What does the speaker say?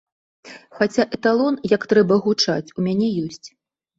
Хаця эталон, як трэба гучаць, у мяне ёсць.